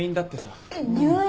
えっ入院！？